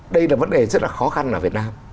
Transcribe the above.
đây là vấn đề rất là khó khăn ở việt nam